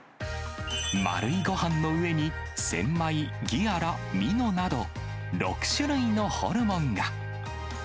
丸いごはんの上に、センマイ、ギアラ、ミノなど、６種類のホルモンが。